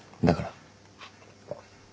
だから。